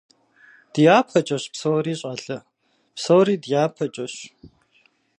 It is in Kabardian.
ДяпэкӀэщ псори, щӀалэ. Псори дяпэкӀэщ.